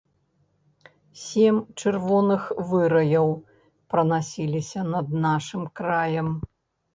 Сем чырвоных выраяў пранасіліся над нашым краем.